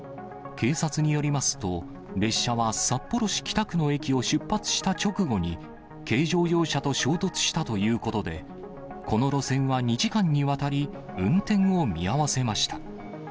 警察によりますと、列車は札幌市北区の駅を出発した直後に、軽乗用車と衝突したということで、この路線は２時間にわたり運転を見合わせました。